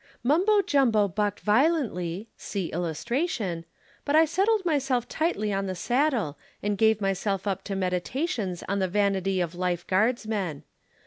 "'Mumbo Jumbo bucked violently (see illustration) but I settled myself tightly on the saddle and gave myself up to meditations on the vanity of Life guardsmen.